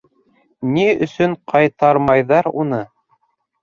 Ни өсөн ҡайтармайҙар уны?